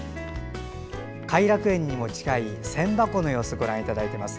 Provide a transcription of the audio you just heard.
偕楽園にも近い千波湖の様子をご覧いただいています。